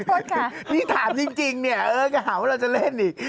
ที่ถามจริงเนี่ยเออก็หาว่าเราจะเล่นอีก